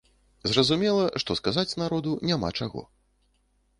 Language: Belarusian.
Зразумела, што сказаць народу няма чаго.